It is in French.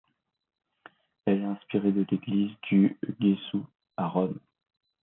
Elle est inspirée de l’église du Gesù à Rome.